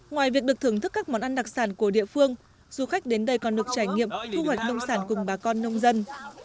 ngoài việc được thưởng thức các món ăn đặc sản của địa phương du khách đến đây còn được trải nghiệm thu hoạch nông sản cùng bà con nông dân